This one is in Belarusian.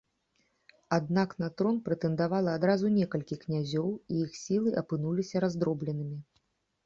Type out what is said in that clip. Аднак на трон прэтэндавала адразу некалькі князёў і іх сілы апынуліся раздробленымі.